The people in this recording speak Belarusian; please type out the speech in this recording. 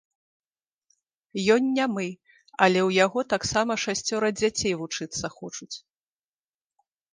Ён нямы, але ў яго таксама шасцёра дзяцей вучыцца хочуць!